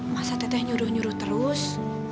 masa teh teh nyuruh nyuruh terus